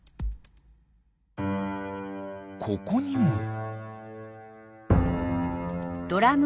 ここにも。